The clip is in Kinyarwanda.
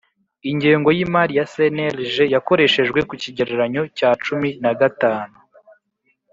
Ingengo y imari ya cnlg yakoreshejwe ku kigereranyo cya cumin a gatanu